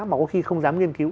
mà có khi không dám nghiên cứu